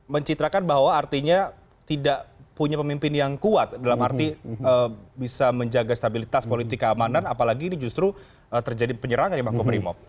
mencitrakan bahwa artinya tidak punya pemimpin yang kuat dalam arti bisa menjaga stabilitas politik keamanan apalagi ini justru terjadi penyerangan di makobrimob